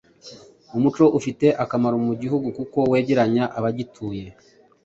Umuco ufite akamaro mu gihugu kuko wegeranya abagituye